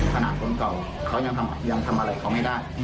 คนเก่าเขายังทำอะไรเขาไม่ได้